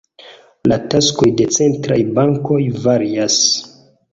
La taskoj de centraj bankoj varias.